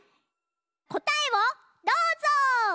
こたえをどうぞ！